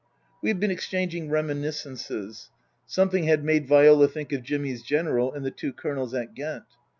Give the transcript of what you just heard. We had been exchanging reminiscences. Something had made Viola think of Jimmy's General and the two Colonels at Ghent.